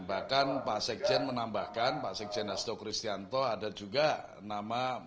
bahkan pak sekjen menambahkan pak sekjen hasto kristianto ada juga nama